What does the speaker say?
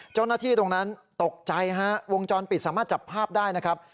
เจ้าหน้าที่ตรงนั้นตกใจฮะวงจรปิดสามารถจับภาพได้นะครับ